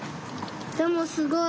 でもすごい。